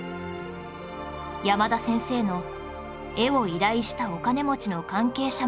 山田先生の絵を依頼したお金持ちの関係者